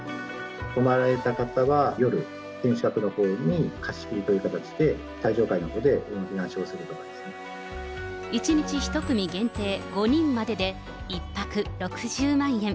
泊まられた方は、夜、天守閣のほうに貸し切りという形で、１日１組限定５人までで、１泊６０万円。